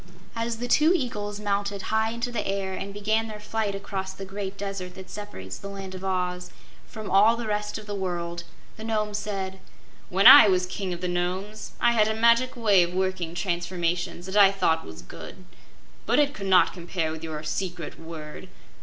As the two eagles mounted high into the air and began their flight across the great Desert that separates the Land of Oz from all the rest of the world, the Nome said: "When I was King of the Nomes I had a magic way of working transformations that I thought was good, but it could not compare with your secret word.